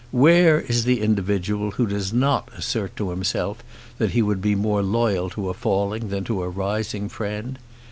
Where is the individual who does not assert to himself that he would be more loyal to a falling than to a rising friend?